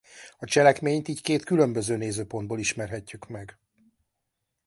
A cselekményt így két különböző nézőpontból ismerhetjük meg.